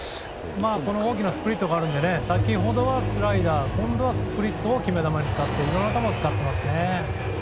大きなスプリットがあるので先ほどはスライダー今度はスプリットを決め球に使っていろんな球を使っていますね。